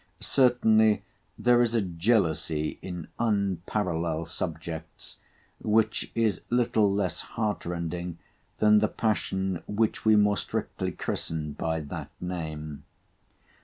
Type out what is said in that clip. Certainly there is a jealousy in unparallel subjects, which is little less heart rending than the passion which we more strictly christen by that name.